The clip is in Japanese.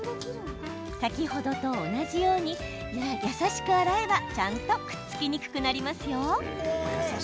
先ほどと同じように優しく洗えば、ちゃんとくっつきにくくなりますよ。